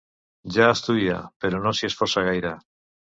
Ja estudia, però no s'hi esforça gaire.